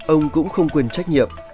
ông cũng không quên trách nhiệm